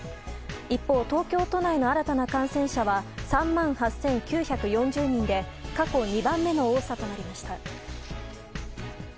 一方、東京都内の新たな感染者は３万８９４０人で過去２番目の多さとなりました。